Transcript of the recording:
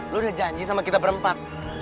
lu udah janji sama kita berempat